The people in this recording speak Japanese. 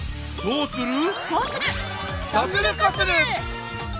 こうする！